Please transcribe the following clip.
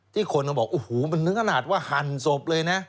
คนก็บอกโอ้โหมันถึงขนาดว่าหั่นศพเลยนะ